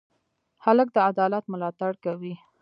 هلک د عدالت ملاتړ کوي.